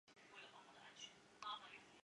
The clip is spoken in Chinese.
她常常说话尖酸刻薄